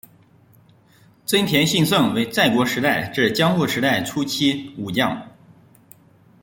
真田信胜为战国时代至江户时代初期武将。